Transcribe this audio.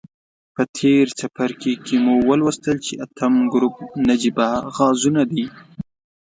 په تیر څپرکي کې مو ولوستل چې اتم ګروپ نجیبه غازونه دي.